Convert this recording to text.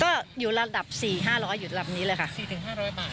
ก็อยู่ระดับสี่ห้าร้อยอยู่ระดับนี้เลยค่ะสี่ถึงห้าร้อยบาท